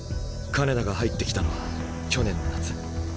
金田が入ってきたのは去年の夏。